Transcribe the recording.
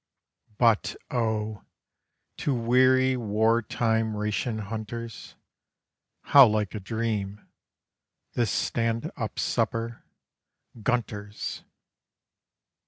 But, oh! to weary war time ration hunters, How like a dream, this stand up supper Gunter's!